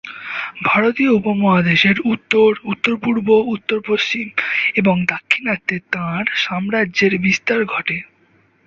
ভারতীয় উপমহাদেশের উত্তর, উত্তর-পূর্ব, উত্তর-পশ্চিম এবং দাক্ষিণাত্যে তাঁর সাম্রাজ্যের বিস্তার ঘটে।